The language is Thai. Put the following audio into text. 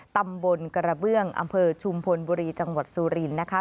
ตำบลกระเบื้องอำเภอชุมพลบุรีจังหวัดสุรินทร์นะคะ